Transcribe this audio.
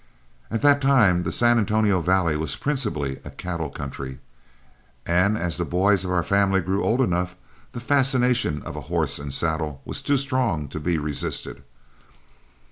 At that time the San Antonio valley was principally a cattle country, and as the boys of our family grew old enough the fascination of a horse and saddle was too strong to be resisted.